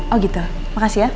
oh gitu makasih ya